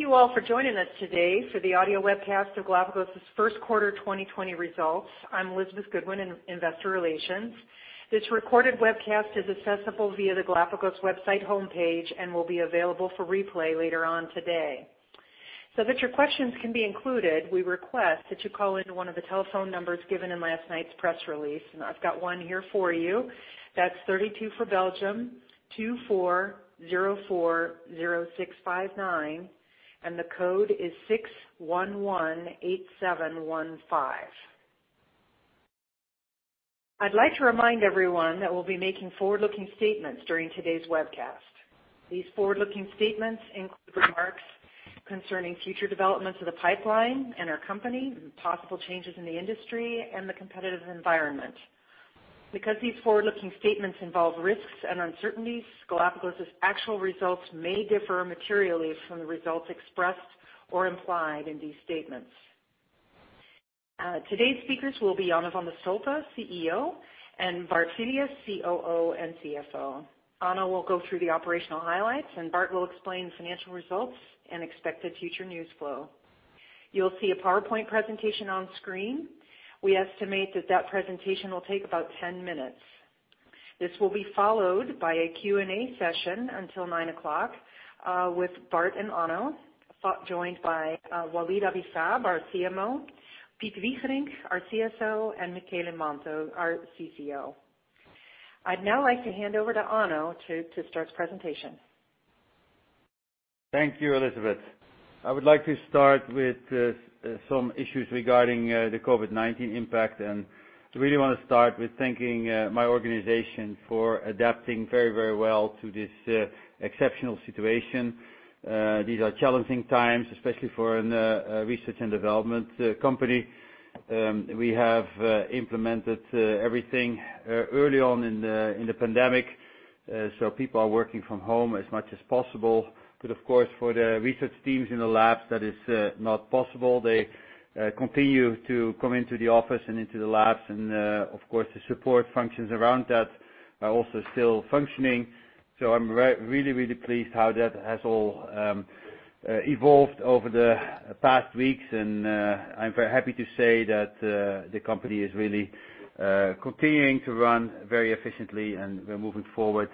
Thank you all for joining us today for the audio webcast of Galapagos's first quarter 2020 results. I'm Elizabeth Goodwin in Investor Relations. This recorded webcast is accessible via the Galapagos website homepage and will be available for replay later on today. That your questions can be included, we request that you call into one of the telephone numbers given in last night's press release. I've got one here for you, that's 32 for Belgium, 2404-0659, and the code is 6118715. I'd like to remind everyone that we'll be making forward-looking statements during today's webcast. These forward-looking statements include remarks concerning future developments of the pipeline and our company, possible changes in the industry, and the competitive environment. Because these forward-looking statements involve risks and uncertainties, Galapagos's actual results may differ materially from the results expressed or implied in these statements. Today's speakers will be Onno van de Stolpe, CEO, and Bart Filius, COO and CFO. Onno will go through the operational highlights, and Bart will explain the financial results and expected future news flow. You'll see a PowerPoint presentation on screen. We estimate that that presentation will take about 10 minutes. This will be followed by a Q&A session until nine o'clock, with Bart and Onno, joined by Walid Abi-Saab, our CMO, Piet Wigerinck, our CSO, and Michele Manto, our CCO. I'd now like to hand over to Onno to start the presentation. Thank you, Elizabeth. I would like to start with some issues regarding the COVID-19 impact. I really want to start with thanking my organization for adapting very well to this exceptional situation. These are challenging times, especially for a research and development company. We have implemented everything early on in the pandemic, people are working from home as much as possible. Of course, for the research teams in the labs, that is not possible. They continue to come into the office and into the labs, of course, the support functions around that are also still functioning. I'm really pleased how that has all evolved over the past weeks. I'm very happy to say that the company is really continuing to run very efficiently and we're moving forward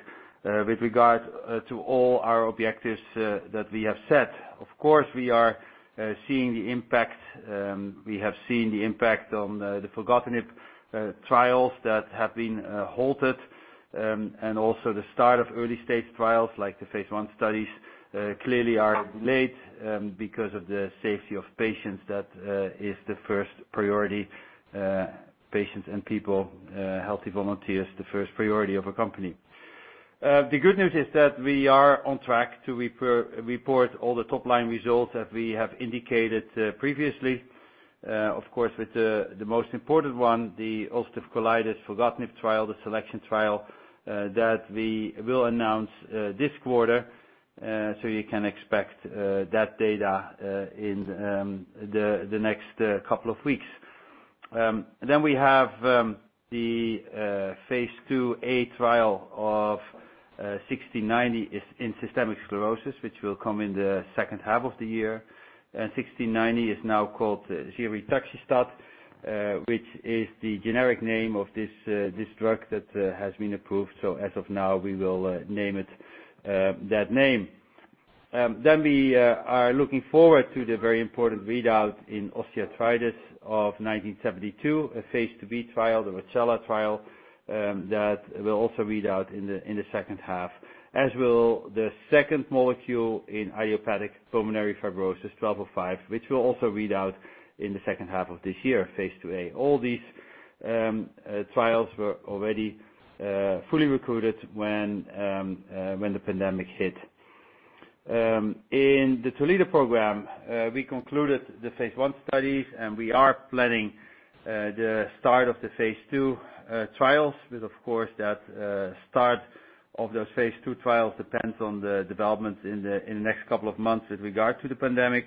with regard to all our objectives that we have set. Of course, we are seeing the impact. We have seen the impact on the filgotinib trials that have been halted. Also, the start of early-stage trials, like the phase I studies, clearly are late because of the safety of patients. That is the first priority. Patients and people, healthy volunteers, the first priority of a company. The good news is that we are on track to report all the top-line results as we have indicated previously. Of course, with the most important one, the ulcerative colitis filgotinib trial, the SELECTION trial, that we will announce this quarter. You can expect that data in the next couple of weeks. We have the phase IIa trial of 1690 in systemic sclerosis, which will come in the second half of the year. 1690 is now called ziritaxestat, which is the generic name of this drug that has been approved. As of now, we will name it that name. We are looking forward to the very important readout in osteoarthritis of 1972, a phase II-B trial, the ROCCELLA trial, that will also read out in the second half. As will the second molecule in idiopathic pulmonary fibrosis, 1205, which will also read out in the second half of this year, phase II-A. All these trials were already fully recruited when the pandemic hit. In the Toledo program, we concluded the phase I studies, and we are planning the start of the phase II trials. Of course, that start of those phase II trials depends on the developments in the next couple of months with regard to the pandemic,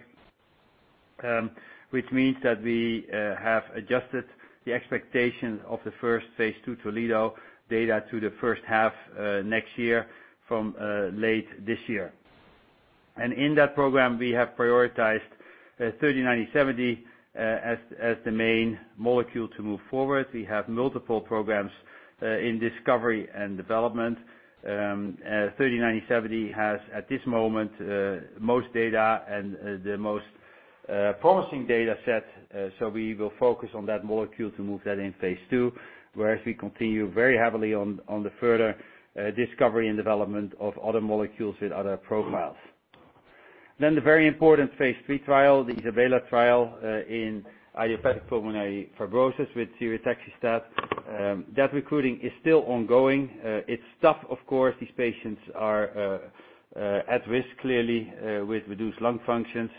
which means that we have adjusted the expectation of the first phase II Toledo data to the first half next year from late this year. In that program, we have prioritized 3970 as the main molecule to move forward. We have multiple programs in discovery and development. 3970 has, at this moment, most data and the most promising data set. We will focus on that molecule to move that in phase II, whereas we continue very heavily on the further discovery and development of other molecules with other profiles. The very important phase III trial, the ISABELA trial, in idiopathic pulmonary fibrosis with ziritaxestat. That recruiting is still ongoing. It's tough, of course. These patients are at risk, clearly, with reduced lung functions.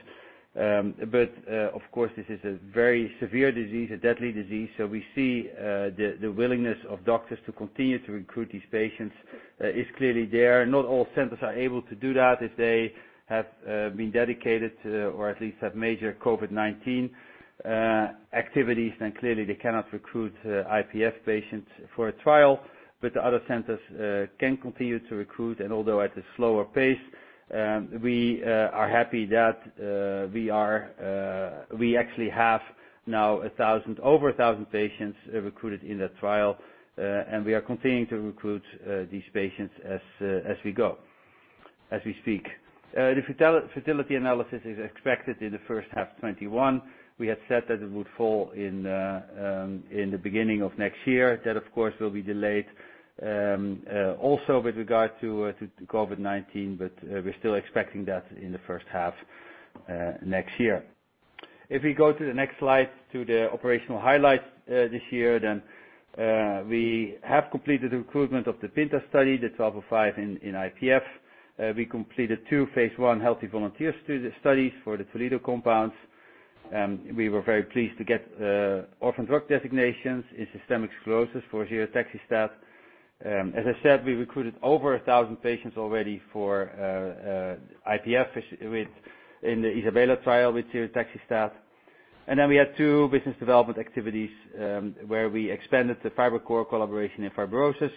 Of course, this is a very severe disease, a deadly disease. We see the willingness of doctors to continue to recruit these patients is clearly there. Not all centers are able to do that. If they have been dedicated to, or at least have major COVID-19 activities, clearly, they cannot recruit IPF patients for a trial. The other centers can continue to recruit. Although at a slower pace, we are happy that we actually have now over 1,000 patients are recruited in that trial, and we are continuing to recruit these patients as we go, as we speak. The futility analysis is expected in the first half 2021. We had said that it would fall in the beginning of next year. That, of course, will be delayed also with regard to COVID-19, we're still expecting that in the first half next year. If we go to the next slide, to the operational highlights this year, we have completed the recruitment of the PINTA study, the 1205 in IPF. We completed two phase I healthy volunteer studies for the Toledo compounds. We were very pleased to get Orphan Drug Designation in systemic sclerosis for ziritaxestat. As I said, we recruited over 1,000 patients already for IPF in the ISABELA trial with ziritaxestat. Then we had two business development activities, where we expanded the Fibrocor collaboration in fibrosis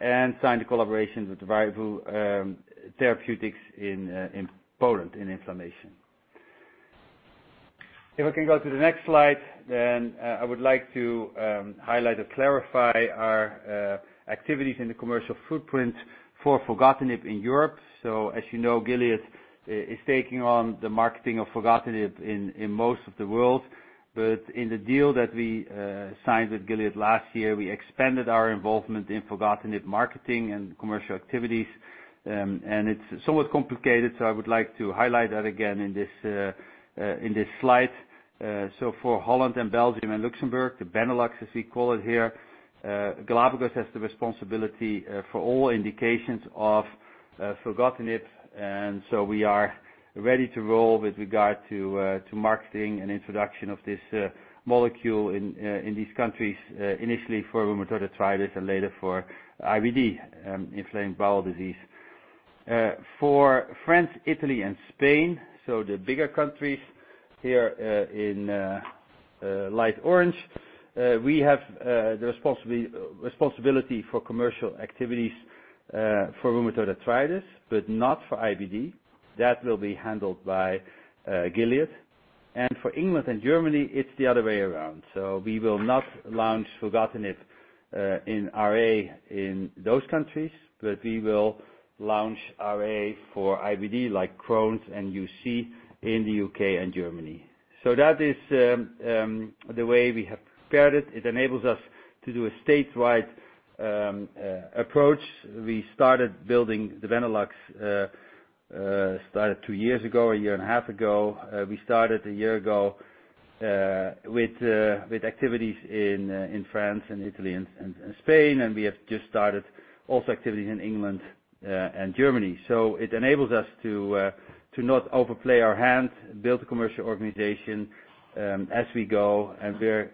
and signed a collaboration with Ryvu Therapeutics in Poland in inflammation. If I can go to the next slide, then I would like to highlight or clarify our activities in the commercial footprint for filgotinib in Europe. As you know, Gilead is taking on the marketing of filgotinib in most of the world. In the deal that we signed with Gilead last year, we expanded our involvement in filgotinib marketing and commercial activities. It's somewhat complicated, I would like to highlight that again in this slide. For Holland and Belgium and Luxembourg, the Benelux, as we call it here, Galapagos has the responsibility for all indications of filgotinib. We are ready to roll with regard to marketing and introduction of this molecule in these countries, initially for rheumatoid arthritis and later for IBD, Inflammatory Bowel Disease. For France, Italy, and Spain, the bigger countries here in light orange, we have the responsibility for commercial activities for rheumatoid arthritis, but not for IBD. That will be handled by Gilead. For England and Germany, it's the other way around. We will not launch filgotinib in RA in those countries, but we will launch RA for IBD, like Crohn's and UC in the U.K. and Germany. That is the way we have prepared it. It enables us to do a statewide approach. We started building the Benelux, started two years ago, a year and a half ago. We started a year ago with activities in France, Italy, and Spain. We have just started also activities in England and Germany. It enables us to not overplay our hand, build a commercial organization as we go. We're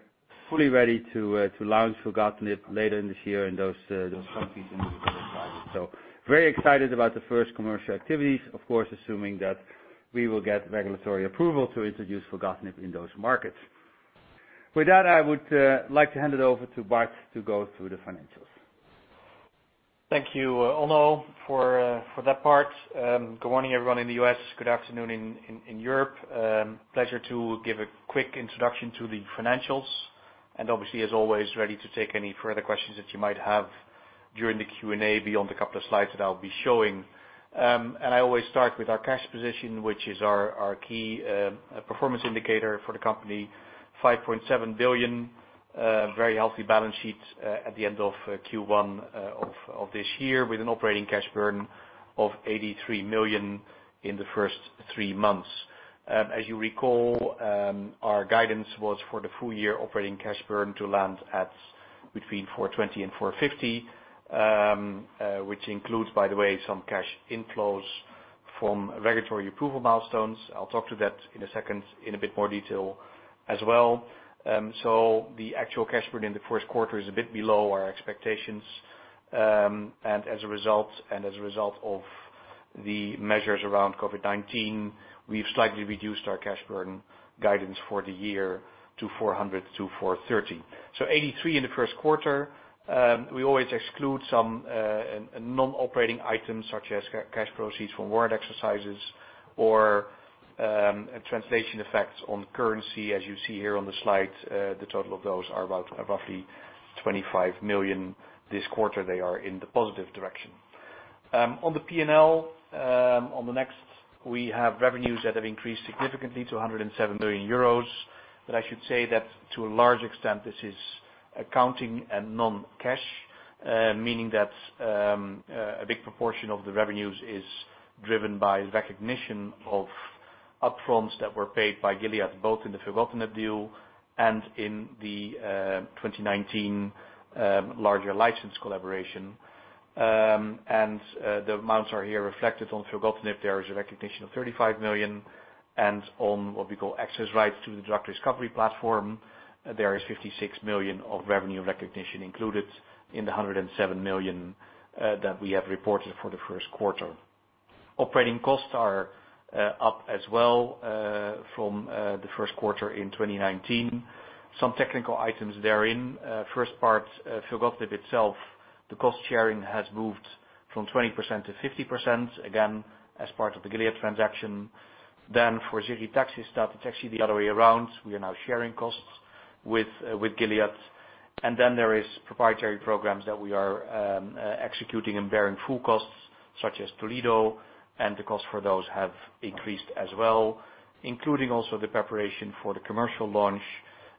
fully ready to launch filgotinib later in this year in those countries. Very excited about the first commercial activities, of course, assuming that we will get regulatory approval to introduce filgotinib in those markets. With that, I would like to hand it over to Bart to go through the financials. Thank you, Onno, for that part. Good morning, everyone in the U.S. Good afternoon in Europe. Pleasure to give a quick introduction to the financials. Obviously, as always, ready to take any further questions that you might have during the Q&A beyond the couple of slides that I'll be showing. I always start with our cash position, which is our key performance indicator for the company. 5.7 billion, very healthy balance sheet at the end of Q1 of this year, with an operating cash burn of 83 million in the first three months. As you recall, our guidance was for the full year operating cash burn to land at between 420 million and 450 million, which includes, by the way, some cash inflows from regulatory approval milestones. I'll talk to that in a second in a bit more detail as well. The actual cash burn in the first quarter is a bit below our expectations. As a result of the measures around COVID-19, we've slightly reduced our cash burn guidance for the year to 400 million-430 million. 83 million in the first quarter. We always exclude some non-operating items such as cash proceeds from warrant exercises or translation effects on currency. As you see here on the slide, the total of those are about roughly 25 million this quarter. They are in the positive direction. On the P&L, on the next, we have revenues that have increased significantly to 107 million euros. I should say that to a large extent, this is accounting and non-cash, meaning that a big proportion of the revenues is driven by recognition of up-fronts that were paid by Gilead, both in the filgotinib deal and in the 2019 larger license collaboration. The amounts are here reflected on filgotinib. There is a recognition of 35 million, and on what we call access rights to the drug discovery platform, there is 56 million of revenue recognition included in the 107 million that we have reported for the first quarter. Operating costs are up as well from the first quarter in 2019. Some technical items therein. First part, filgotinib itself, the cost sharing has moved from 20% to 50%, again, as part of the Gilead transaction. For ziritaxestat, it's actually the other way around. We are now sharing costs with Gilead. There is proprietary programs that we are executing and bearing full costs, such as Toledo, and the cost for those have increased as well, including also the preparation for the commercial launch,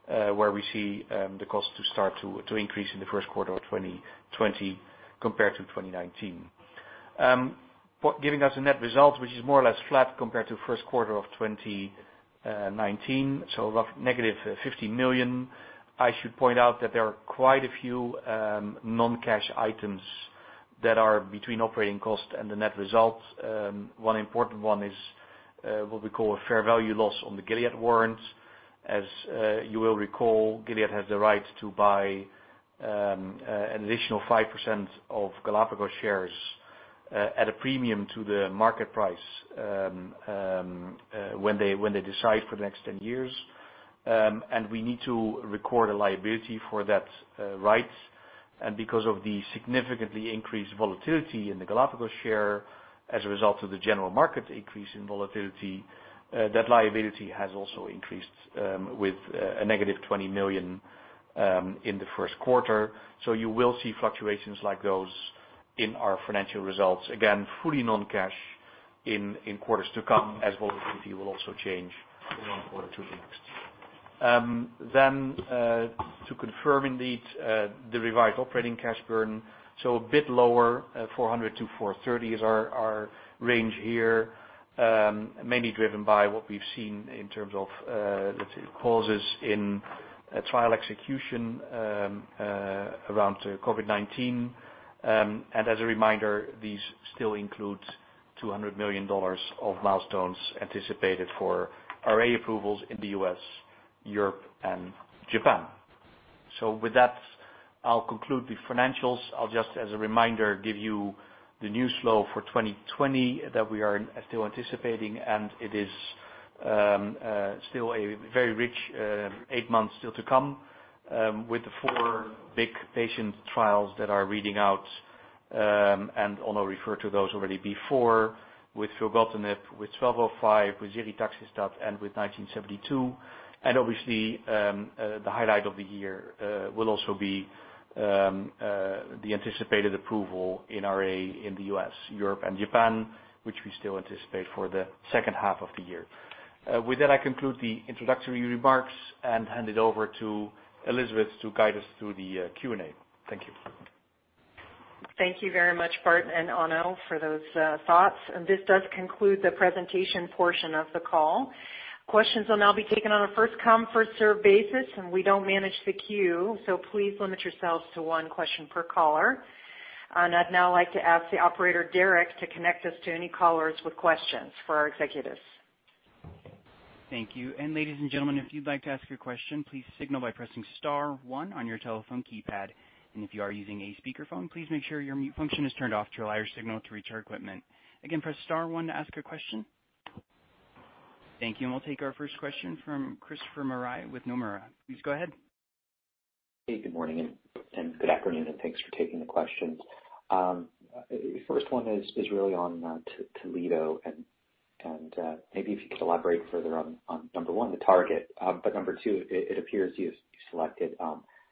where we see the cost to start to increase in the first quarter of 2020 compared to 2019. Giving us a net result, which is more or less flat compared to first quarter of 2019, negative 50 million. I should point out that there are quite a few non-cash items that are between operating costs and the net results. One important one is what we call a fair value loss on the Gilead warrants. As you will recall, Gilead has the right to buy an additional 5% of Galapagos shares at a premium to the market price when they decide for the next 10 years. We need to record a liability for that right. Because of the significantly increased volatility in the Galapagos share as a result of the general market increase in volatility, that liability has also increased with a negative 20 million in the first quarter. You will see fluctuations like those in our financial results. Fully non-cash in quarters to come, as volatility will also change from one quarter to the next. To confirm indeed, the revised operating cash burn, a bit lower, 400 million-430 million is our range here. Mainly driven by what we've seen in terms of, let's say, pauses in trial execution around COVID-19. As a reminder, these still include EUR 200 million of milestones anticipated for RA approvals in the U.S., Europe, and Japan. With that, I'll conclude the financials. I'll just, as a reminder, give you the news flow for 2020 that we are still anticipating, it is still a very rich eight months still to come, with the four big patient trials that are reading out. Onno referred to those already before with filgotinib, with 1205, with ziritaxestat, and with 1972. Obviously, the highlight of the year will also be the anticipated approval in RA in the U.S., Europe, and Japan, which we still anticipate for the second half of the year. With that, I conclude the introductory remarks and hand it over to Elizabeth to guide us through the Q&A. Thank you. Thank you very much, Bart and Onno, for those thoughts. This does conclude the presentation portion of the call. Questions will now be taken on a first-come, first-served basis, and we don't manage the queue, so please limit yourselves to one question per caller. I'd now like to ask the operator, Derek, to connect us to any callers with questions for our executives. Thank you. Ladies and gentlemen, if you'd like to ask your question, please signal by pressing star one on your telephone keypad. If you are using a speakerphone, please make sure your mute function is turned off to allow your signal to reach our equipment. Again, press star one to ask a question. Thank you, and we'll take our first question from Christopher Marai with Nomura. Please go ahead. Good morning and good afternoon, and thanks for taking the questions. First one is really on Toledo, maybe if you could elaborate further on, number one, the target. Number two, it appears you've selected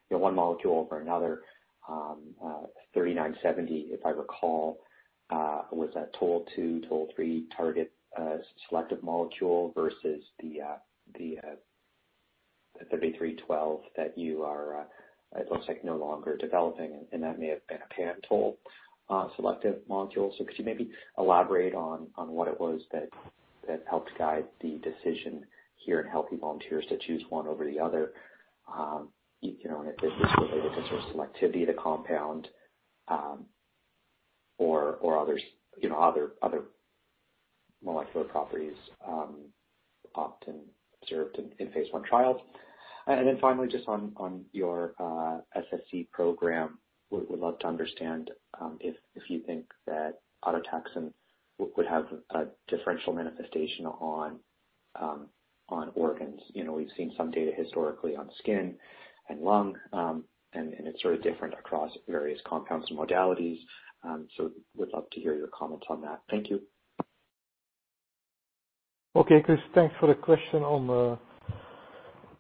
one molecule over another, 3970, if I recall, was a ToL-2, ToL-3 target selective molecule versus the 3312 that you are, it looks like, no longer developing, and that may have been a pan-ToL selective molecule. Could you maybe elaborate on what it was that helped guide the decision here in healthy volunteers to choose one over the other? If this was related to sort of selectivity of the compound or other molecular properties often observed in phase I trials. Finally, just on your SSc program, would love to understand if you think that autotaxin would have a differential manifestation on organs. We've seen some data historically on skin and lung, and it's sort of different across various compounds and modalities. Would love to hear your comments on that. Thank you. Okay, Chris. Thanks for the question on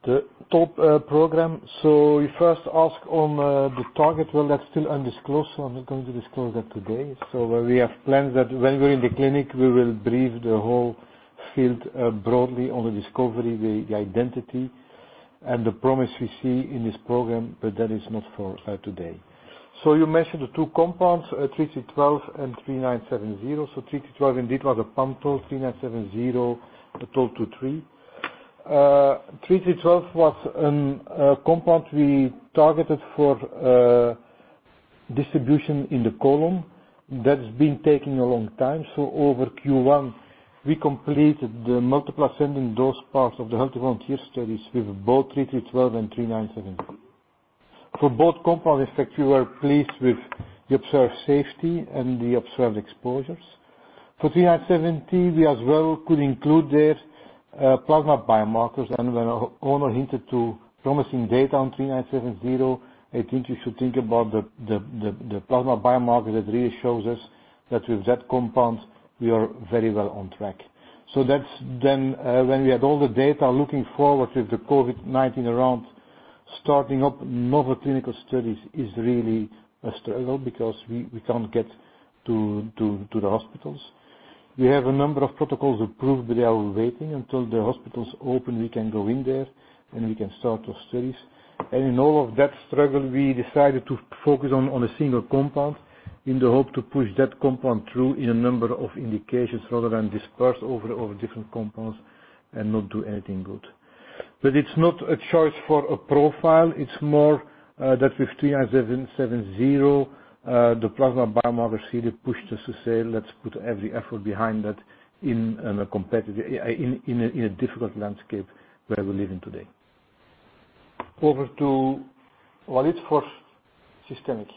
the ToL program. You first asked on the target. Well, that's still undisclosed, so I'm not going to disclose that today. We have plans that when we're in the clinic, we will brief the whole field broadly on the discovery, the identity, and the promise we see in this program, but that is not for today. You mentioned the two compounds, 3312 and 3970. 3312 indeed was a pan-ToL 3970, the ToL-2, ToL-3. 3312 was a compound we targeted for distribution in the colon. That's been taking a long time. Over Q1, we completed the multiple ascending dose parts of the healthy volunteer studies with both 3312 and 3970. For both compounds, in fact, we were pleased with the observed safety and the observed exposures. For 3970, we as well could include their plasma biomarkers. When Onno hinted to promising data on 3970, I think you should think about the plasma biomarker that really shows us that with that compound, we are very well on track. That's then when we had all the data looking forward with the COVID-19 around, starting up novel clinical studies is really a struggle because we can't get to the hospitals. We have a number of protocols approved, but they are waiting until the hospitals open, we can go in there, and we can start those studies. In all of that struggle, we decided to focus on a single compound in the hope to push that compound through in a number of indications rather than disperse over different compounds and not do anything good. It's not a choice for a profile. It's more that with 3970, the plasma biomarker really pushed us to say, "Let's put every effort behind that in a difficult landscape where we're living today." Over to Walid for systemic.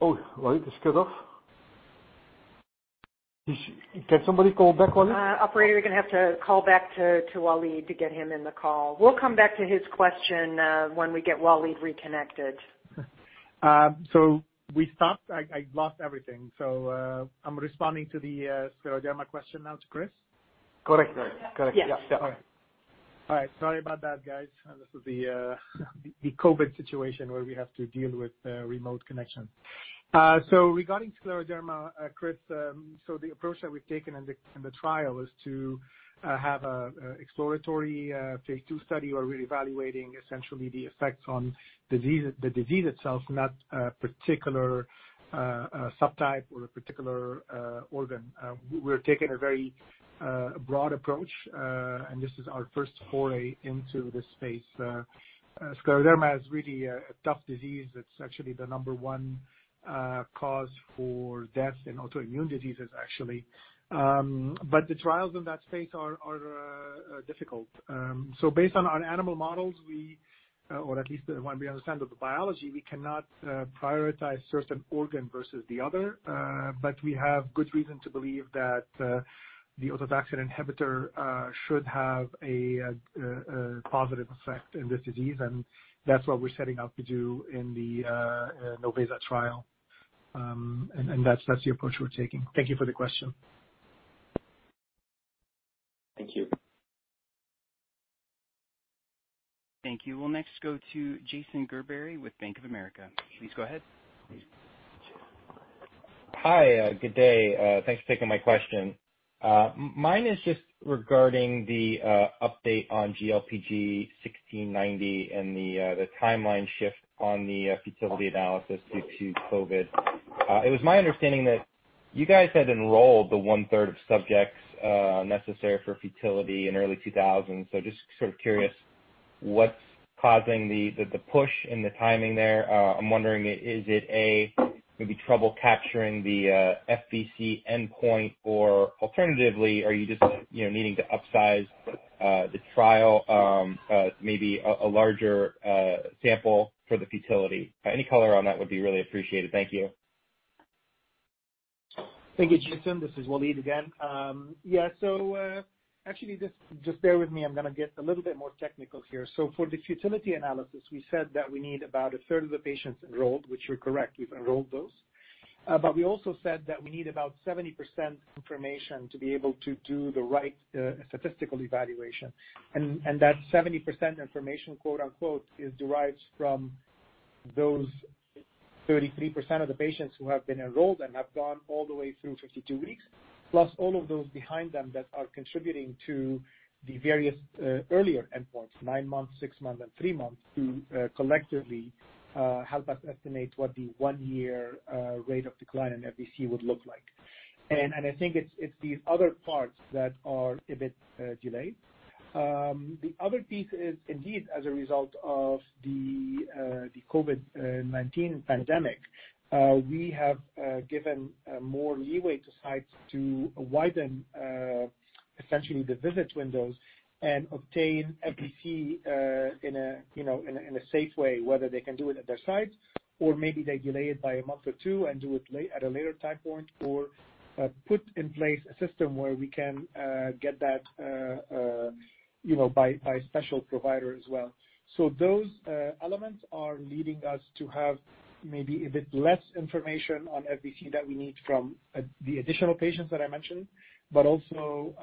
Oh, Walid is cut off. Can somebody call back Walid? Operator, we're going to have to call back to Walid to get him in the call. We'll come back to his question when we get Walid reconnected. We stopped. I lost everything. I'm responding to the scleroderma question now to Chris? Correct. Yes. All right. Sorry about that, guys. This is the COVID situation where we have to deal with remote connection. Regarding scleroderma, Chris, the approach that we've taken in the trial is to have an exploratory phase II study where we're evaluating essentially the effects on the disease itself, not a particular subtype or a particular organ. We're taking a very broad approach, and this is our first foray into this space. scleroderma is really a tough disease. It's actually the number one cause for death in autoimmune diseases, actually. The trials in that space are difficult. Based on our animal models, or at least what we understand of the biology, we cannot prioritize certain organ versus the other. We have good reason to believe that the autotaxin inhibitor should have a positive effect in this disease, and that's what we're setting out to do in the NOVESA trial. That's the approach we're taking. Thank you for the question. Thank you. Thank you. We'll next go to Jason Gerberry with Bank of America. Please go ahead. Hi, good day. Thanks for taking my question. Mine is just regarding the update on GLPG1690 and the timeline shift on the futility analysis due to COVID. It was my understanding that you guys had enrolled the 1/3 of subjects necessary for futility in early 2020. Just sort of curious, what's causing the push in the timing there? I'm wondering, is it maybe trouble capturing the FVC endpoint or alternatively, are you just needing to upsize the trial, maybe a larger sample for the futility? Any color on that would be really appreciated. Thank you. Thank you, Jason. This is Walid again. Yeah. Actually, just bear with me. I'm going to get a little bit more technical here. For the futility analysis, we said that we need about a 1/3 of the patients enrolled, which you're correct, we've enrolled those. We also said that we need about 70% information to be able to do the right statistical evaluation. That 70% information, quote unquote, derives from those 33% of the patients who have been enrolled and have gone all the way through 52 weeks, plus all of those behind them that are contributing to the various earlier endpoints, nine months, six months, and three months, to collectively help us estimate what the one-year rate of decline in FVC would look like. I think it's these other parts that are a bit delayed. The other piece is indeed as a result of the COVID-19 pandemic. We have given more leeway to sites to widen essentially the visit windows and obtain FVC in a safe way, whether they can do it at their site or maybe they delay it by a month or two and do it at a later time point or put in place a system where we can get that by a special provider as well. Those elements are leading us to have maybe a bit less information on FVC that we need from the additional patients that I mentioned, but also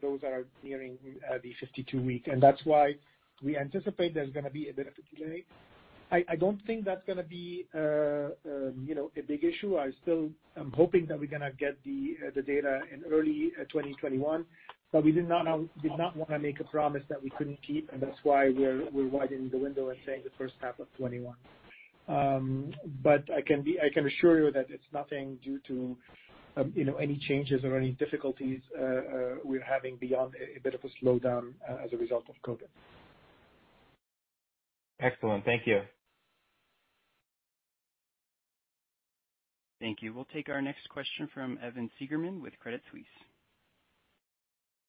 those that are nearing the 52-week. That's why we anticipate there's going to be a bit of a delay. I don't think that's going to be a big issue. I still am hoping that we're going to get the data in early 2021, we did not want to make a promise that we couldn't keep, and that's why we're widening the window and saying the first half of 2021. I can assure you that it's nothing due to any changes or any difficulties we're having beyond a bit of a slowdown as a result of COVID. Excellent. Thank you. Thank you. We'll take our next question from Evan Seigerman with Credit Suisse.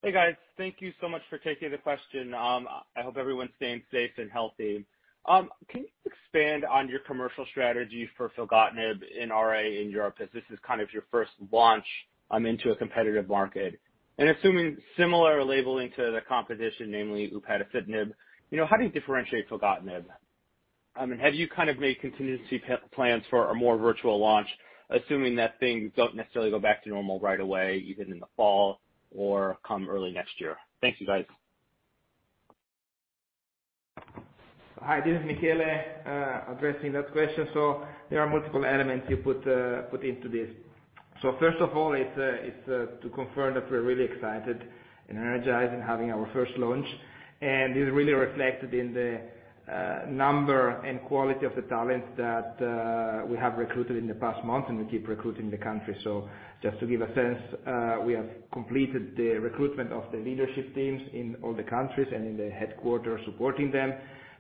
Hey, guys. Thank you so much for taking the question. I hope everyone's staying safe and healthy. Can you expand on your commercial strategy for filgotinib in RA in Europe, as this is kind of your first launch into a competitive market. Assuming similar labeling to the competition, namely upadacitinib, how do you differentiate filgotinib? Have you made contingency plans for a more virtual launch, assuming that things don't necessarily go back to normal right away, even in the fall or come early next year? Thank you, guys. Hi, this is Michele addressing that question. There are multiple elements you put into this. First of all, it's to confirm that we're really excited and energized in having our first launch, and it really reflected in the number and quality of the talent that we have recruited in the past month, and we keep recruiting the country. Just to give a sense, we have completed the recruitment of the leadership teams in all the countries and in the headquarters supporting them.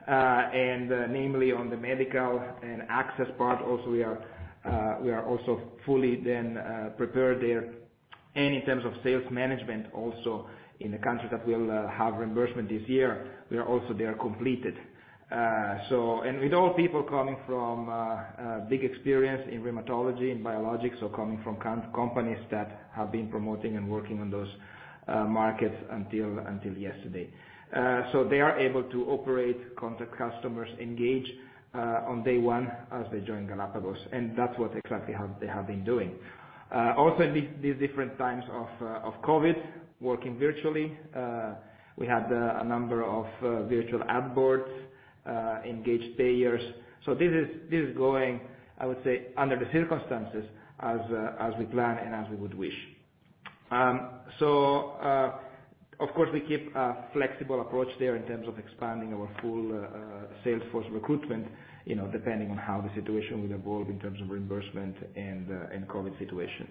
Namely on the medical and access part also, we are also fully then prepared there. In terms of sales management, also in the country that will have reimbursement this year, we are also there completed. With all people coming from big experience in rheumatology and biologics, so coming from companies that have been promoting and working on those markets until yesterday. They are able to operate, contact customers, engage on day one as they join Galapagos, and that's what exactly they have been doing. Also in these different times of COVID, working virtually, we had a number of virtual onboard engaged payers. This is going, I would say, under the circumstances, as we plan and as we would wish. Of course, we keep a flexible approach there in terms of expanding our full sales force recruitment, depending on how the situation will evolve in terms of reimbursement and COVID situation.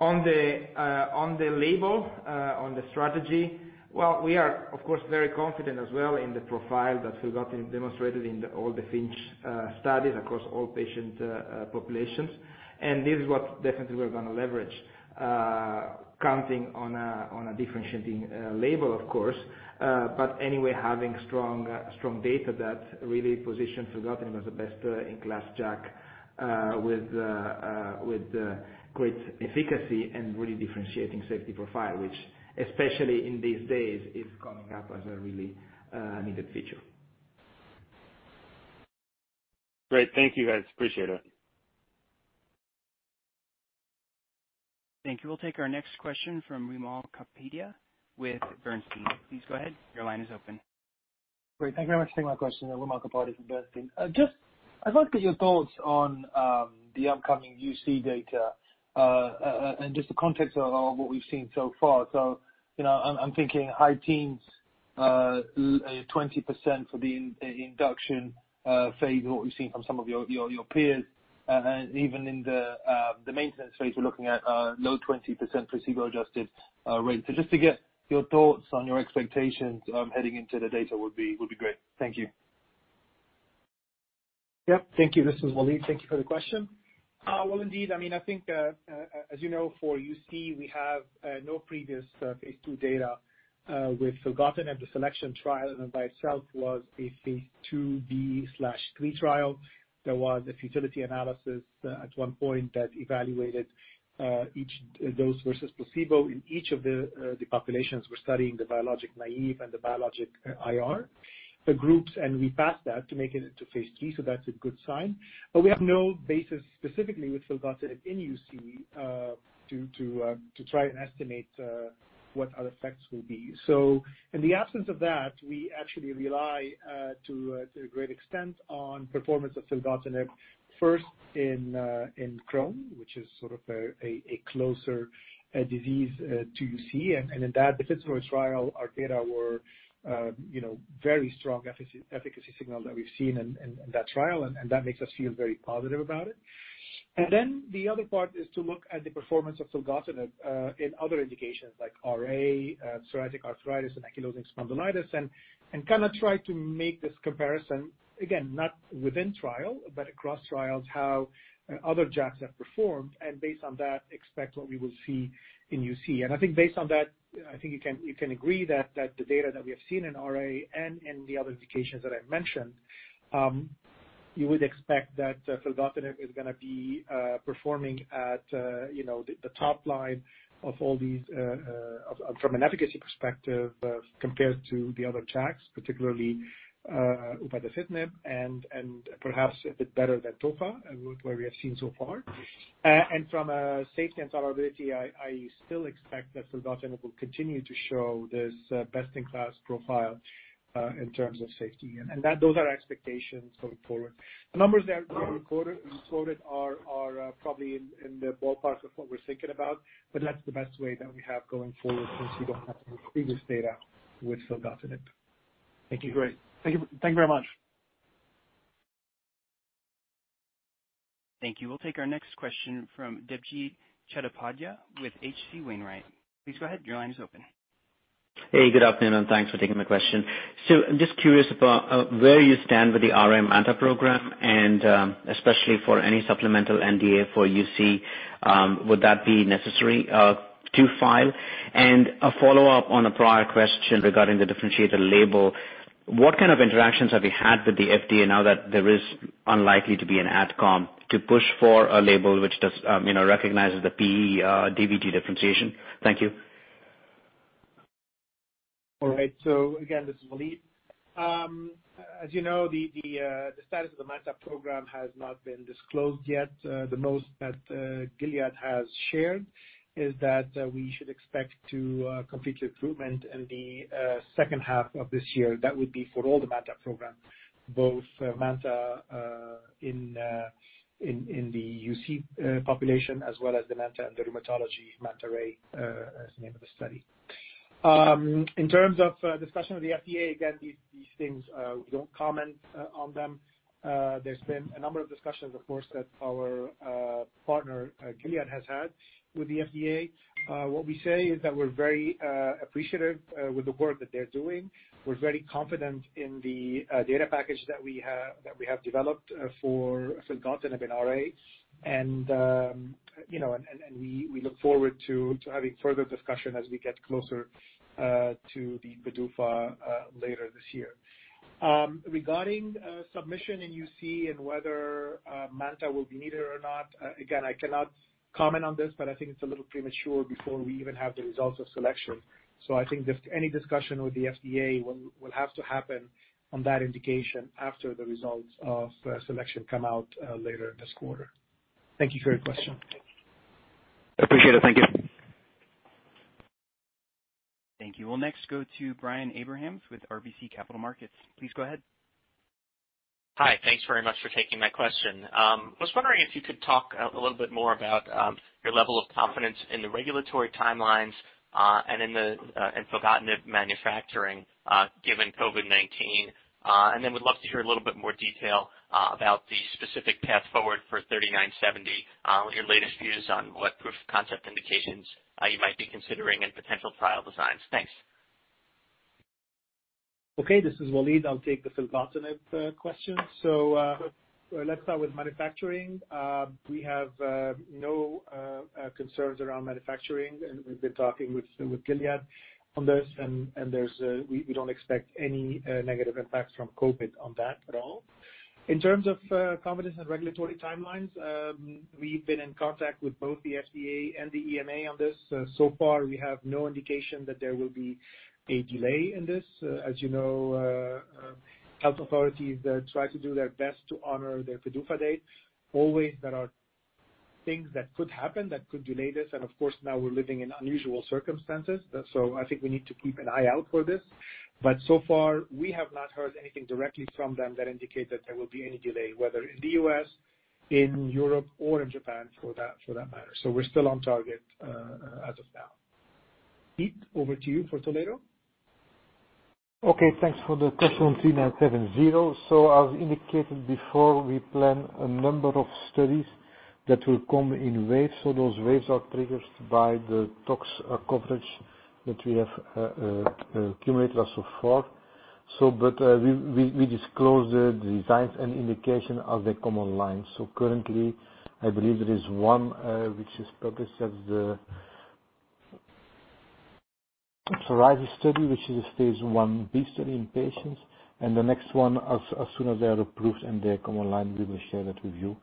On the label, on the strategy, well, we are, of course, very confident as well in the profile that filgotinib demonstrated in all the FINCH studies across all patient populations. This is what definitely we're going to leverage, counting on a differentiating label, of course. Anyway, having strong data that really positions filgotinib as the best-in-class JAK with great efficacy and really differentiating safety profile, which especially in these days, is coming up as a really needed feature. Great. Thank you, guys. Appreciate it. Thank you. We'll take our next question from Wimal Kapadia with Bernstein. Please go ahead. Your line is open. Great. Thank you very much for taking my question. Wimal Kapadia from Bernstein. I'd like to get your thoughts on the upcoming UC data, and just the context of what we've seen so far. I'm thinking high teens, 20% for the induction phase of what we've seen from some of your peers. Even in the maintenance phase, we're looking at a low 20% placebo-adjusted rate. Just to get your thoughts on your expectations heading into the data would be great. Thank you. Yep. Thank you. This is Walid. Thank you for the question. Well, indeed, I think, as you know, for UC, we have no previous phase II data with filgotinib. The SELECTION trial by itself was a phase II-B/III trial. There was a futility analysis at one point that evaluated each dose versus placebo in each of the populations. We're studying the biologic-naive, and the biologic IR, the groups, and we passed that to make it into phase III, so that's a good sign. We have no basis specifically with filgotinib in UC, to try and estimate what our effects will be. In the absence of that, we actually rely, to a great extent, on performance of filgotinib, first in Crohn's, which is sort of a closer disease to UC. In that pivotal trial, our data were very strong efficacy signal that we've seen in that trial, and that makes us feel very positive about it. The other part is to look at the performance of filgotinib in other indications like RA, psoriatic arthritis, and ankylosing spondylitis, and kind of try to make this comparison, again, not within trial, but across trials, how other JAKs have performed, and based on that, expect what we will see in UC. I think based on that, I think you can agree that the data that we have seen in RA and in the other indications that I've mentioned, you would expect that filgotinib is going to be performing at the top line from an efficacy perspective compared to the other JAKs, particularly upadacitinib and perhaps a bit better than tofa, where we have seen so far. From a safety and tolerability, I still expect that filgotinib will continue to show this best-in-class profile in terms of safety. Those are expectations going forward. The numbers that we recorded are probably in the ballpark of what we're thinking about, but that's the best way that we have going forward since we don't have any previous data with filgotinib. Thank you. Great. Thank you very much. Thank you. We'll take our next question from Debjit Chattopadhyay with H.C. Wainwright. Please go ahead. Your line is open. Hey, good afternoon, and thanks for taking my question. Just curious about where you stand with the MANTA-RAy program and especially for any supplemental NDA for UC. Would that be necessary to file? A follow-up on a prior question regarding the differentiated label. What kind of interactions have you had with the FDA now that there is unlikely to be an Advisory Committee to push for a label which does recognize the PE DVT differentiation? Thank you. Again, this is Walid. As you know, the status of the MANTA program has not been disclosed yet. The most that Gilead has shared is that we should expect to complete recruitment in the second half of this year. That would be for all the MANTA programs, both MANTA in the UC population as well as the MANTA in the rheumatology, MANTA-RAy is the name of the study. In terms of discussion with the FDA, again, these things, we don't comment on them. There's been a number of discussions, of course, that our partner, Gilead, has had with the FDA. What we say is that we're very appreciative with the work that they're doing. We're very confident in the data package that we have developed for filgotinib in RA, and we look forward to having further discussion as we get closer to the PDUFA later this year. Regarding submission in UC and whether MANTA will be needed or not, again, I cannot comment on this, but I think it's a little premature before we even have the results of SELECTION. I think any discussion with the FDA will have to happen on that indication after the results of SELECTION come out later this quarter. Thank you for your question. Appreciate it. Thank you. Thank you. We will next go to Brian Abrahams with RBC Capital Markets. Please go ahead. Hi. Thanks very much for taking my question. I was wondering if you could talk a little bit more about your level of confidence in the regulatory timelines and in filgotinib manufacturing given COVID-19. Then would love to hear a little bit more detail about the specific path forward for 3970, your latest views on what proof of concept indications you might be considering and potential trial designs. Thanks. Okay, this is Walid. I'll take the filgotinib question. Let's start with manufacturing. We have no concerns around manufacturing. We've been talking with Gilead on this, and we don't expect any negative impacts from COVID on that at all. In terms of confidence in regulatory timelines, we've been in contact with both the FDA and the EMA on this. So far, we have no indication that there will be a delay in this. As you know, health authorities try to do their best to honor their PDUFA dates. Always there are things that could happen that could delay this, and of course, now we're living in unusual circumstances. I think we need to keep an eye out for this. So far, we have not heard anything directly from them that indicate that there will be any delay, whether in the U.S., in Europe, or in Japan for that matter. We're still on target as of now. Piet, over to you for Toledo. Okay, thanks for the question on 3970. As indicated before, we plan a number of studies that will come in waves. Those waves are triggered by the tox coverage that we have accumulated thus so far. We disclose the designs and indication as they come online. Currently, I believe there is one which is focused as the psoriasis study, which is a phase I-B study in patients. The next one, as soon as they are approved and they come online, we will share that with you.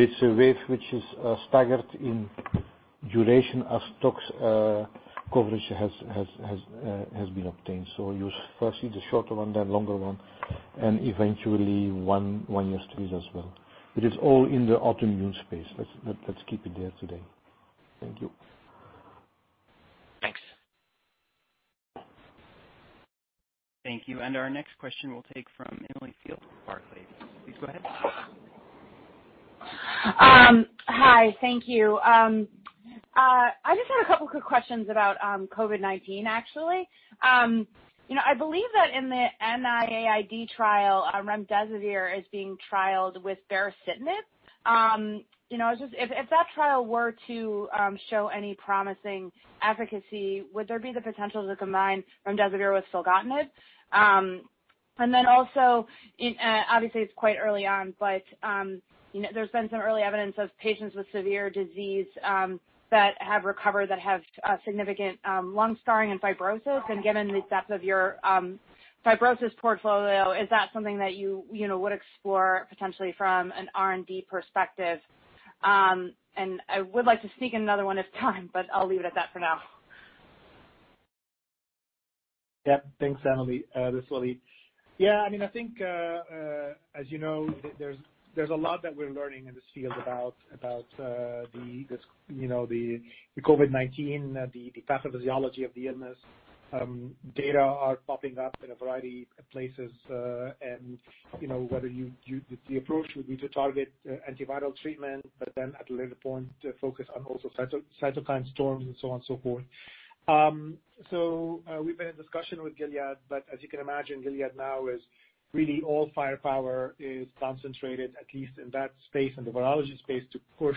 It's a wave which is staggered in duration as tox coverage has been obtained. You first see the shorter one, then longer one, and eventually one-year studies as well. It is all in the autoimmune space. Let's keep it there today. Thank you. Thanks. Thank you. Our next question we'll take from Emily Field with Barclays. Please go ahead. Hi, thank you. I just had a couple quick questions about COVID-19, actually. I believe that in the NIAID trial, remdesivir is being trialed with baricitinib. If that trial were to show any promising efficacy, would there be the potential to combine remdesivir with filgotinib? Also, obviously it's quite early on, but there's been some early evidence of patients with severe disease that have recovered that have significant lung scarring and fibrosis. Given the depth of your fibrosis portfolio, is that something that you would explore potentially from an R&D perspective? I would like to sneak in another one if time, but I'll leave it at that for now. Yeah. Thanks, Emily. This is Walid. I think, as you know, there's a lot that we're learning in this field about the COVID-19, the pathophysiology of the illness. Data are popping up in a variety of places, and whether the approach would be to target antiviral treatment, but then at a later point, to focus on also cytokine storms and so on and so forth. We've been in discussion with Gilead, but as you can imagine, Gilead now is really all firepower is concentrated, at least in that space, in the virology space, to push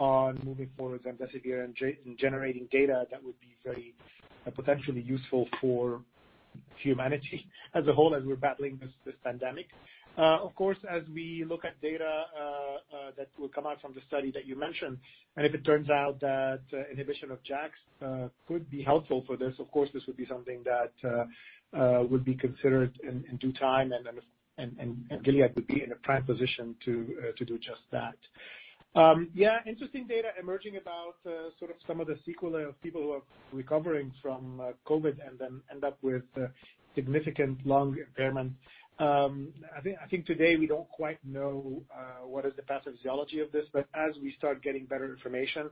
on moving forward remdesivir and generating data that would be very potentially useful for humanity as a whole, as we're battling this pandemic. Of course, as we look at data that will come out from the study that you mentioned, if it turns out that inhibition of JAKs could be helpful for this, of course, this would be something that would be considered in due time. Gilead would be in a prime position to do just that. Yeah, interesting data emerging about some of the sequelae of people who are recovering from COVID and then end up with significant lung impairment. I think today we don't quite know what is the pathophysiology of this, as we start getting better information,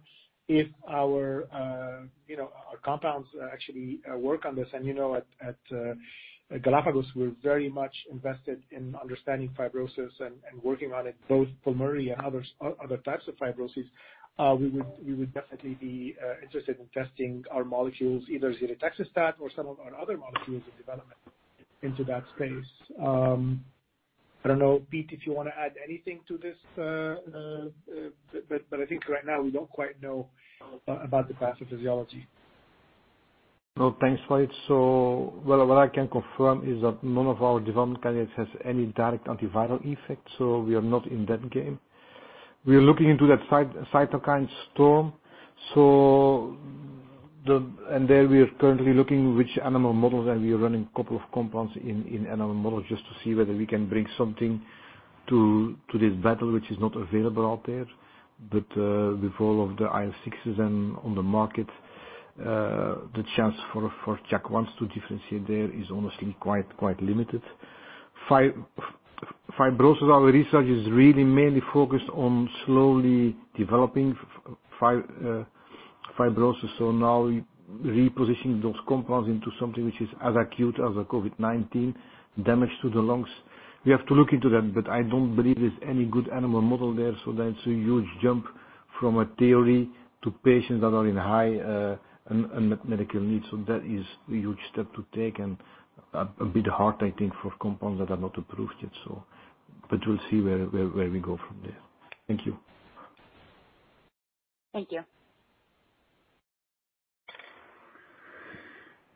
if our compounds actually work on this. At Galapagos, we're very much invested in understanding fibrosis and working on it, both pulmonary and other types of fibrosis. We would definitely be interested in testing our molecules, either ziritaxestat or some of our other molecules in development into that space. I don't know, Piet, if you want to add anything to this. I think right now we don't quite know about the pathophysiology. No, thanks, Walid. What I can confirm is that none of our development candidates has any direct antiviral effect, so we are not in that game. We are looking into that cytokine storm. There we are currently looking which animal models, and we are running a couple of compounds in animal models just to see whether we can bring something to this battle, which is not available out there. With all of the IL-6s on the market, the chance for JAK1 to differentiate there is honestly quite limited. Fibrosis, our research is really mainly focused on slowly developing fibrosis. Now repositioning those compounds into something which is as acute as the COVID-19 damage to the lungs. We have to look into that, but I don't believe there's any good animal model there. That's a huge jump from a theory to patients that are in high medical need. That is a huge step to take and a bit hard, I think, for compounds that are not approved yet. We'll see where we go from there. Thank you. Thank you.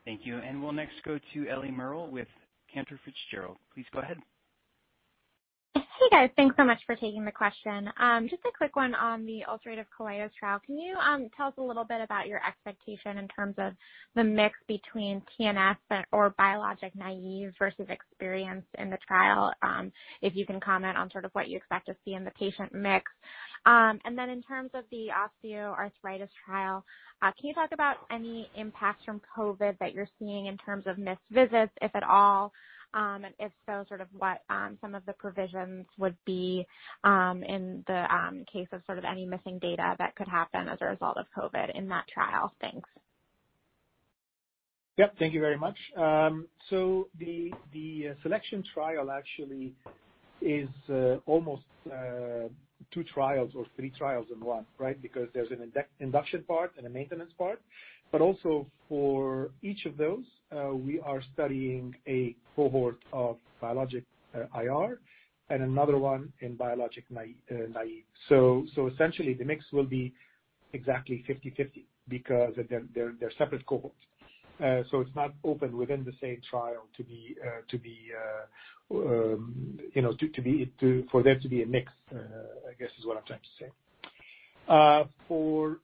Thank you. We'll next go to Ellie Merle with Cantor Fitzgerald. Please go ahead. Hey, guys. Thanks so much for taking the question. Just a quick one on the ulcerative colitis trial. Can you tell us a little bit about your expectation in terms of the mix between TNF or biologic-naïve versus experienced in the trial? If you can comment on sort of what you expect to see in the patient mix. In terms of the osteoarthritis trial, can you talk about any impacts from COVID that you're seeing in terms of missed visits, if at all? If so, sort of what some of the provisions would be in the case of any missing data that could happen as a result of COVID in that trial. Thanks. Yep. Thank you very much. The SELECTION trial actually is almost two trials or three trials in one, right? There's an induction part and a maintenance part, but also for each of those, we are studying a cohort of biologic IR and another one in biologic-naïve. Essentially, the mix will be exactly 50/50 because they're separate cohorts. It's not open within the same trial for there to be a mix, I guess is what I'm trying to say. For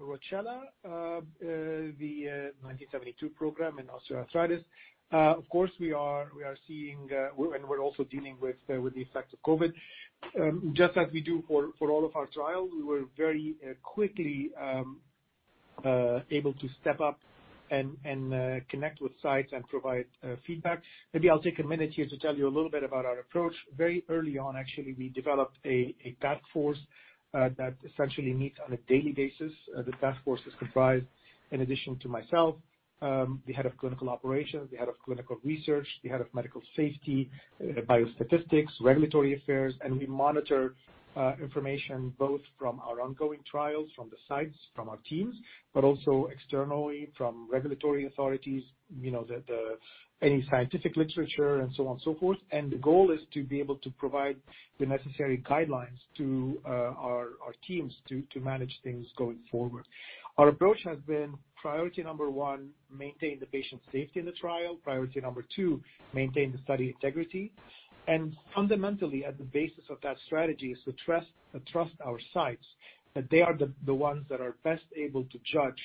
ROCCELLA, the 1972 program in osteoarthritis, of course, we are seeing and we're also dealing with the effects of COVID. Just as we do for all of our trials, we were very quickly able to step up and connect with sites and provide feedback. Maybe I'll take a minute here to tell you a little bit about our approach. Very early on, actually, we developed a task force that essentially meets on a daily basis. The task force is comprised, in addition to myself, the head of clinical operations, the head of clinical research, the head of medical safety, biostatistics, regulatory affairs. We monitor information both from our ongoing trials, from the sites, from our teams, but also externally from regulatory authorities, any scientific literature, and so on and so forth. The goal is to be able to provide the necessary guidelines to our teams to manage things going forward. Our approach has been priority number one, maintain the patient's safety in the trial. Priority number two, maintain the study integrity. Fundamentally, at the basis of that strategy is to trust our sites, that they are the ones that are best able to judge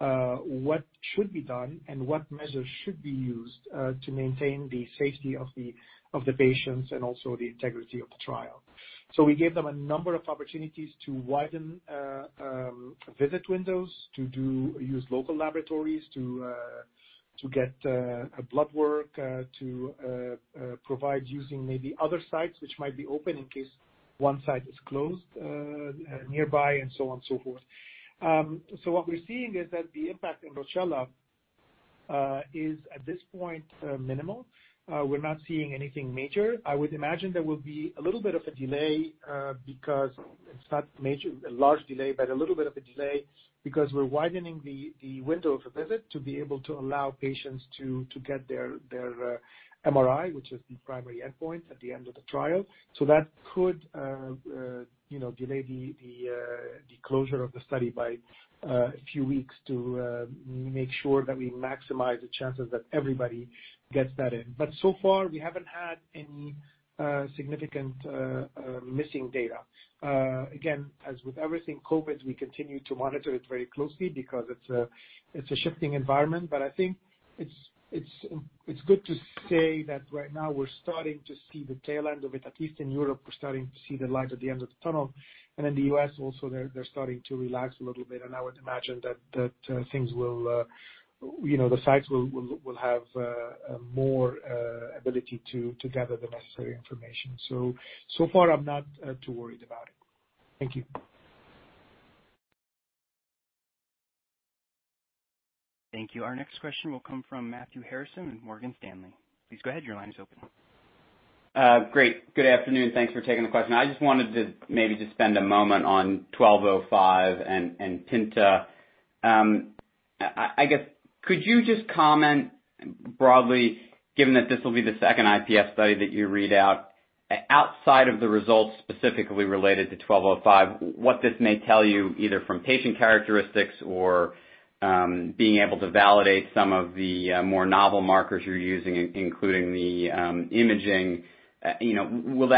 what should be done and what measures should be used to maintain the safety of the patients and also the integrity of the trial. We gave them a number of opportunities to widen visit windows, to use local laboratories to get blood work, to provide using maybe other sites which might be open in case one site is closed nearby, and so on and so forth. What we're seeing is that the impact in ROCCELLA is at this point minimal. We're not seeing anything major. I would imagine there will be a little bit of a delay because it's not major, a large delay, but a little bit of a delay because we're widening the window of the visit to be able to allow patients to get their MRI, which is the primary endpoint at the end of the trial. That could delay the closure of the study by a few weeks to make sure that we maximize the chances that everybody gets that in. So far, we haven't had any significant missing data. Again, as with everything COVID-19, we continue to monitor it very closely because it's a shifting environment. I think it's good to say that right now we're starting to see the tail end of it. At least in Europe, we're starting to see the light at the end of the tunnel. In the U.S. also, they're starting to relax a little bit, and I would imagine that the sites will have more ability to gather the necessary information. So far, I'm not too worried about it. Thank you. Thank you. Our next question will come from Matthew Harrison in Morgan Stanley. Please go ahead. Your line is open. Great. Good afternoon. Thanks for taking the question. I just wanted to maybe just spend a moment on 1205 and PINTA. I guess, could you just comment broadly, given that this will be the second IPF study that you read out, outside of the results specifically related to 1205, what this may tell you, either from patient characteristics or being able to validate some of the more novel markers you're using, including the imaging. Will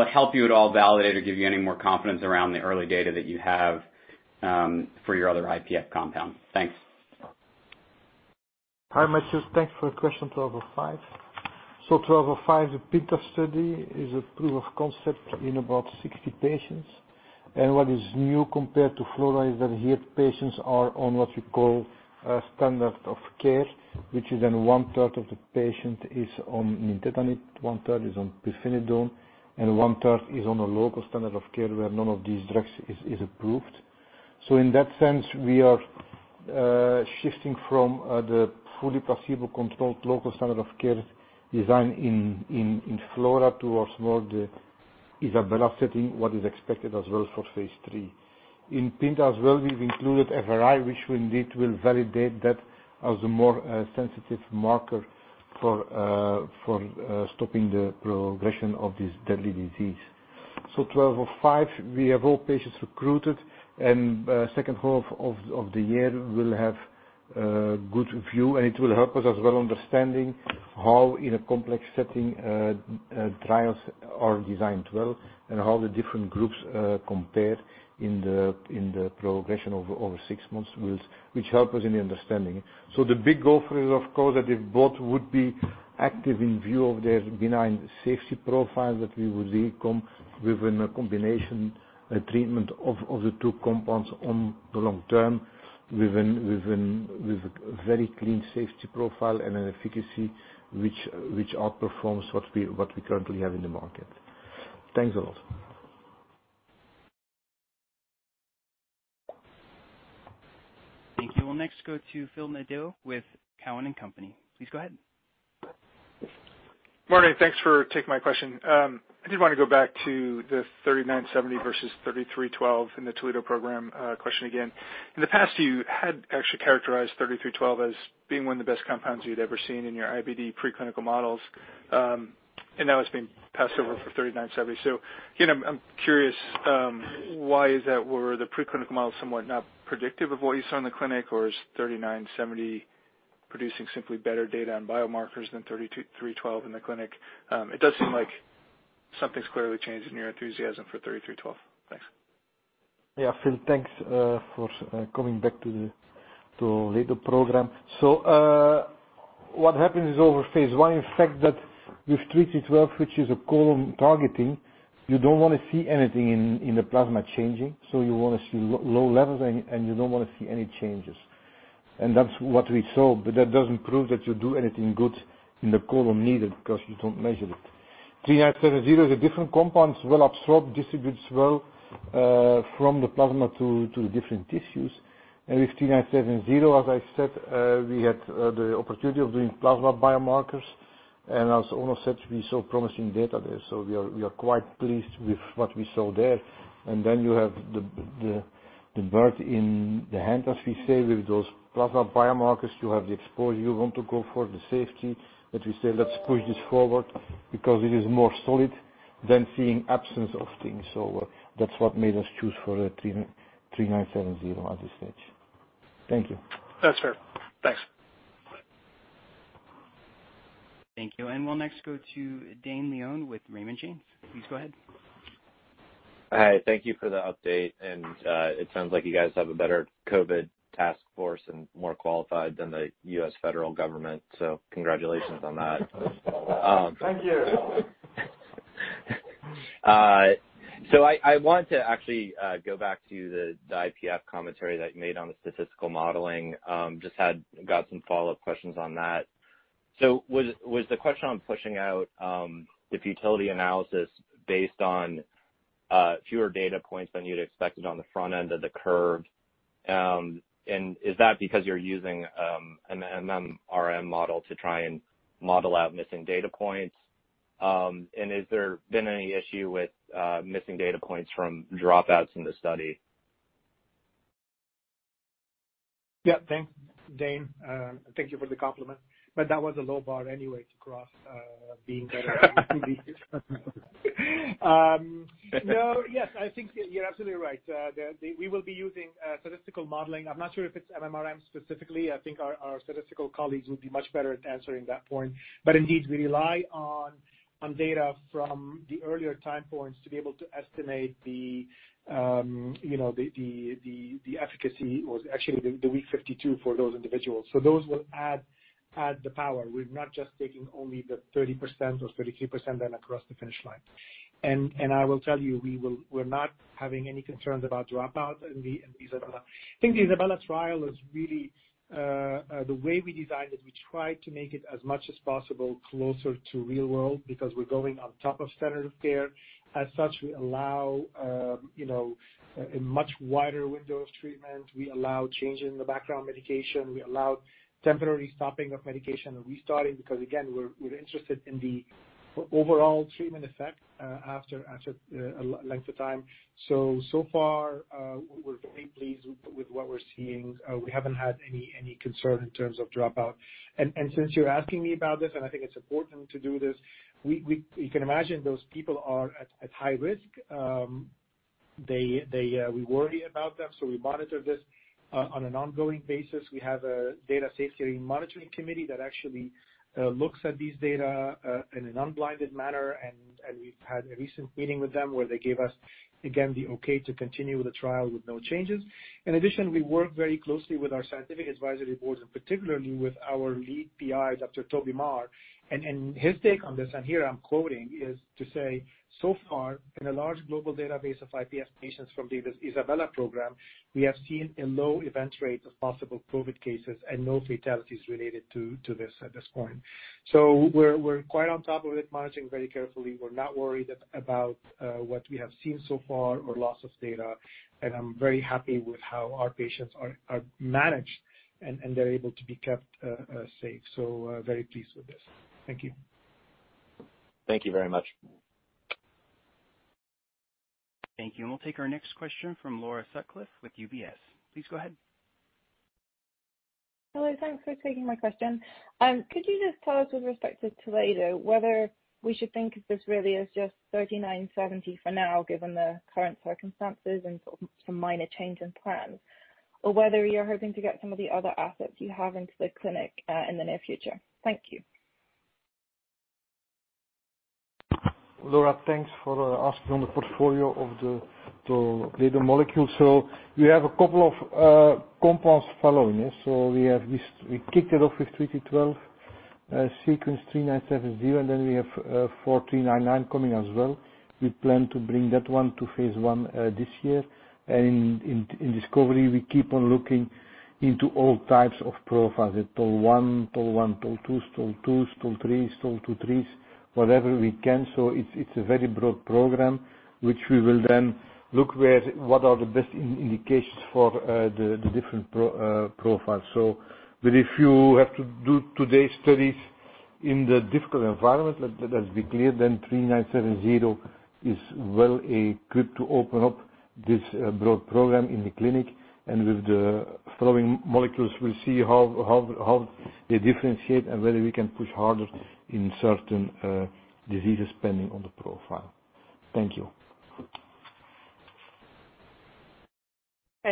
it help you at all validate or give you any more confidence around the early data that you have for your other IPF compounds? Thanks. Hi, Matthew. Thanks for the question. 1205. 1205, the PINTA study, is a proof of concept in about 60 patients. What is new compared to FLORA is that here patients are on what we call a standard of care, which is in 1/3 of the patient is on nintedanib, 1/3 is on pirfenidone, and 1/3 is on a local standard of care where none of these drugs is approved. In that sense, we are shifting from the fully placebo-controlled local standard of care design in FLORA towards more the ISABELA setting, what is expected as well for phase III. In PINTA as well, we've included FRI, which indeed will validate that as a more sensitive marker for stopping the progression of this deadly disease. GLPG1205, we have all patients recruited, and second half of the year will have a good view, and it will help us as well understanding how, in a complex setting, trials are designed well and how the different groups compare in the progression over six months, which help us in the understanding. The big goal for it, of course, that if both would be active in view of their benign safety profile, that we would really come with a combination treatment of the two compounds on the long term, with a very clean safety profile and an efficacy which outperforms what we currently have in the market. Thanks a lot. Thank you. We'll next go to Phil Nadeau with Cowen and Company. Please go ahead. Morning. Thanks for taking my question. I did want to go back to the 3970 versus 3312 in the Toledo program question again. In the past, you had actually characterized 3312 as being one of the best compounds you'd ever seen in your IBD preclinical models, and now it's been passed over for 3970. Again, I'm curious, why is that? Were the preclinical models somewhat not predictive of what you saw in the clinic, or is 3970 producing simply better data on biomarkers than 3312 in the clinic? It does seem like something's clearly changed in your enthusiasm for 3312. Thanks. Yeah. Phil, thanks for coming back to the Toledo program. What happens is over phase I, in fact that with 3312, which is a colon targeting, you don't want to see anything in the plasma changing. You want to see low levels, you don't want to see any changes. That's what we saw, that doesn't prove that you do anything good in the colon needed because you don't measure it. 3970 is a different compound. It's well-absorbed, distributes well from the plasma to the different tissues. With 3970, as I said, we had the opportunity of doing plasma biomarkers, and as Onno said, we saw promising data there. We are quite pleased with what we saw there. You have the bird in the hand, as we say, with those plasma biomarkers. You have the exposure you want to go for, the safety, that we say, "Let's push this forward," because it is more solid than seeing absence of things. That's what made us choose for 3970 at this stage. Thank you. That's fair. Thanks. Thank you. We'll next go to Dane Leone with Raymond James. Please go ahead. Hi. Thank you for the update. It sounds like you guys have a better COVID task force and more qualified than the U.S. federal government. Congratulations on that. Thank you. I want to actually go back to the IPF commentary that you made on the statistical modeling. Just got some follow-up questions on that. Was the question on pushing out the futility analysis based on fewer data points than you'd expected on the front end of the curve? Is that because you're using an MMRM model to try and model out missing data points? Has there been any issue with missing data points from dropouts in the study? Yeah. Dane, thank you for the compliment, that was a low bar anyway to cross, being better two weeks. Yes, I think you're absolutely right. We will be using statistical modeling. I'm not sure if it's MMRM specifically. I think our statistical colleagues would be much better at answering that point. Indeed, we rely on data from the earlier time points to be able to estimate the efficacy or actually the week 52 for those individuals. Those will add the power. We're not just taking only the 30% or 33% then across the finish line. I will tell you, we're not having any concerns about dropout in the ISABELA. I think the ISABELA trial, the way we designed it, we tried to make it as much as possible closer to real world, because we're going on top of standard of care. As such, we allow a much wider window of treatment. We allow change in the background medication. We allow temporary stopping of medication and restarting, because again, we're interested in the overall treatment effect after a length of time. So far, we're very pleased with what we're seeing. We haven't had any concern in terms of dropout. Since you're asking me about this, and I think it's important to do this, you can imagine those people are at high risk. We worry about them, so we monitor this on an ongoing basis. We have a data safety and monitoring committee that actually looks at these data in an unblinded manner. We've had a recent meeting with them where they gave us, again, the okay to continue the trial with no changes. In addition, we work very closely with our scientific Advisory Board and particularly with our lead PI, Dr. Toby Maher, and his take on this, and here I'm quoting, is to say, "So far, in a large global database of IPF patients from the ISABELA program, we have seen a low event rate of possible COVID cases and no fatalities related to this at this point." We're quite on top of it, monitoring very carefully. We're not worried about what we have seen so far or loss of data, and I'm very happy with how our patients are managed, and they're able to be kept safe. Very pleased with this. Thank you. Thank you very much. Thank you. We'll take our next question from Laura Sutcliffe with UBS. Please go ahead. Hello, thanks for taking my question. Could you just tell us with respect to Toledo, whether we should think of this really as just 3970 for now, given the current circumstances and some minor change in plans, or whether you're hoping to get some of the other assets you have into the clinic, in the near future? Thank you. Laura, thanks for asking on the portfolio of the Toledo molecule. We have a couple of compounds following this. We kicked it off with 3312, sequence 3970, and then we have 4399 coming as well. We plan to bring that one to phase I this year. In discovery, we keep on looking into all types of profiles at toll one, toll twos, toll threes, toll two threes, whatever we can. It's a very broad program, which we will then look where, what are the best indications for the different profiles. But if you have to do today's studies in the difficult environment, let's be clear, then 3970 is well equipped to open up this broad program in the clinic. With the following molecules, we'll see how they differentiate and whether we can push harder in certain diseases pending on the profile. Thank you.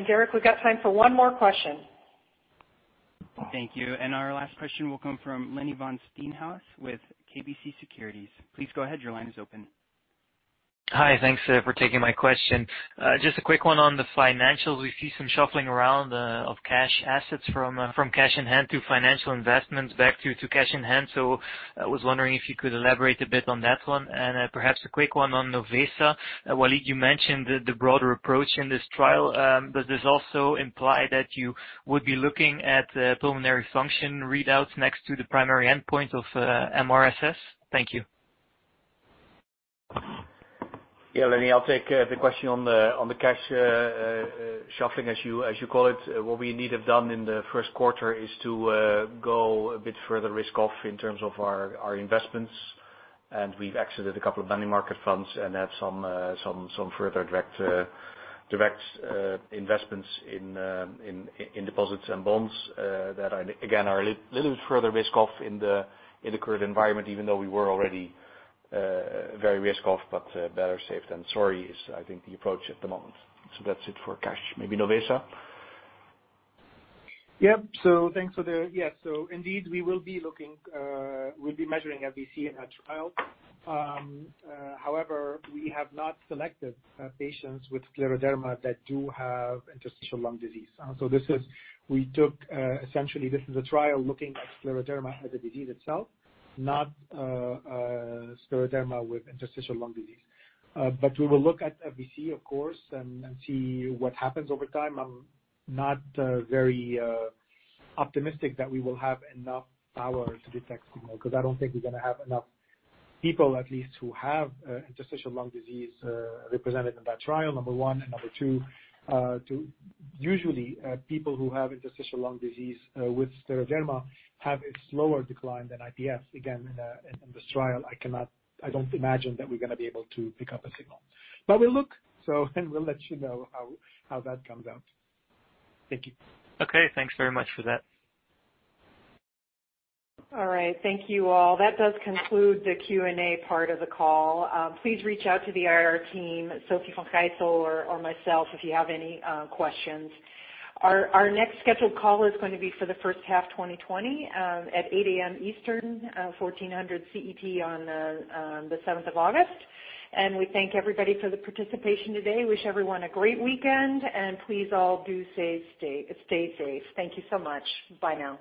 Derek, we've got time for one more question. Thank you. Our last question will come from Lenny Van Steenhuyse with KBC Securities. Please go ahead. Your line is open. Hi. Thanks for taking my question. Just a quick one on the financials. We see some shuffling around of cash assets from cash in hand to financial investments back to cash in hand. I was wondering if you could elaborate a bit on that one and perhaps a quick one on NOVESA. Walid, you mentioned the broader approach in this trial. Does this also imply that you would be looking at pulmonary function readouts next to the primary endpoint of mRSS? Thank you. Yeah, Lenny, I'll take the question on the cash shuffling, as you call it. What we indeed have done in the first quarter is to go a bit further risk off in terms of our investments. We've exited a couple of money market funds and had some further direct investments in deposits and bonds that, again, are a little bit further risk off in the current environment, even though we were already very risk off, but better safe than sorry is, I think, the approach at the moment. That's it for cash. Maybe NOVESA? Yep. Thanks for there. Indeed, we'll be measuring FVC in our trial. However, we have not selected patients with scleroderma that do have interstitial lung disease. Essentially, this is a trial looking at scleroderma as a disease itself, not scleroderma with interstitial lung disease. We will look at FVC, of course, and see what happens over time. I'm not very optimistic that we will have enough power to detect signal, because I don't think we're going to have enough people at least, who have interstitial lung disease represented in that trial, number one. Number two, usually people who have interstitial lung disease with scleroderma have a slower decline than IPF. Again, in this trial, I don't imagine that we're going to be able to pick up a signal. We'll look. We'll let you know how that comes out. Thank you. Okay. Thanks very much for that. All right. Thank you all. That does conclude the Q&A part of the call. Please reach out to the IR team, Sophie van Kessel or myself, if you have any questions. Our next scheduled call is going to be for the first half 2020, at 8:00 A.M. Eastern, 1400 CET on the 7th of August. We thank everybody for the participation today. Wish everyone a great weekend, and please all do stay safe. Thank you so much. Bye now.